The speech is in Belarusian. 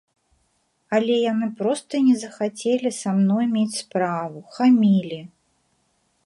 Але яны проста не захацелі са мной мець справу, хамілі.